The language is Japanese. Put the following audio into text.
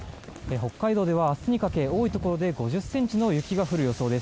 北海道では明日にかけ多いところで５０ｃｍの雪が降る予想です。